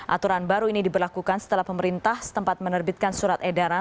aturan baru ini diberlakukan setelah pemerintah setempat menerbitkan surat edaran